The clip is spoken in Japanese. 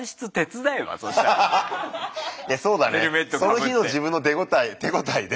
その日の自分の手応えで。